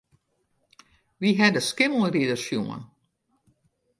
Ja, wy hawwe de Skimmelrider sjoen.